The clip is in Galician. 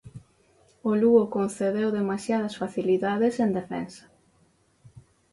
O Lugo concedeu demasiadas facilidades en defensa.